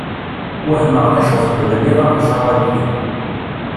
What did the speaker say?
Wehmeɣ d acu xeddmen iḍ-a iẓawaliyen.